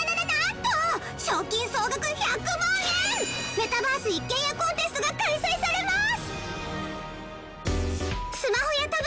メタバース一軒家コンテストが開催されます。